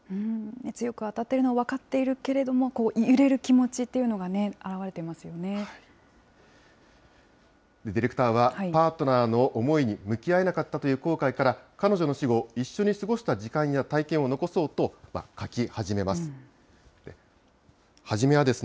強く当たっているのは分かっているけれども、揺れる気持ちとディレクターはパートナーの思いに向き合えなかったという後悔から、彼女の死後、一緒に過ごした時間や体験を残そうと、書き始めます。